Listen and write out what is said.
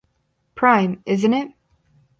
Prime, isn't it?